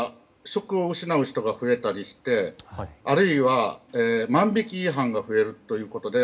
職を失う人が増えたりしてあるいは万引き犯が増えるということで